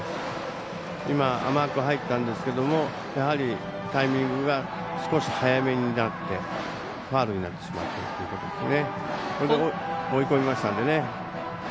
今、甘く入ったんですけどやはりタイミングが少し早めになって、ファウルになってしまったということですね。